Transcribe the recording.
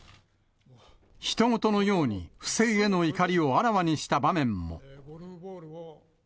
ひと事のように不正への怒りをあらわにした場面も。